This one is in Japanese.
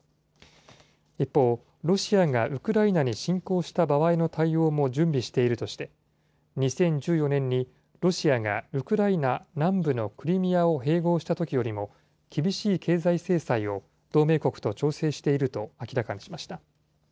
一方、ロシアがウクライナに侵攻した場合の対応も準備しているとして、２０１４年にロシアがウクライナ南部のクリミアを併合したときよりも、厳しい経済制裁を同盟国と調整していると明らかにしました。